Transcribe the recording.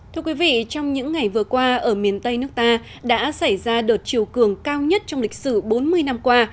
thưa quý vị trong những ngày vừa qua ở miền tây nước ta đã xảy ra đợt chiều cường cao nhất trong lịch sử bốn mươi năm qua